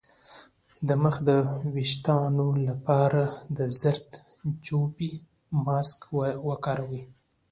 د مخ د ويښتانو لپاره د زردچوبې ماسک وکاروئ